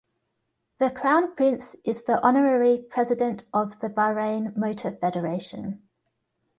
The Crown Prince is the Honorary President of the Bahrain Motor Federation.